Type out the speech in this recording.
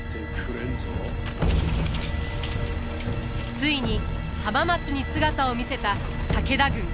ついに浜松に姿を見せた武田軍。